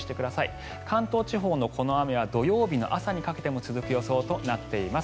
関東地方の雨雲は土曜日の朝にかけても雨が続く予想となっています。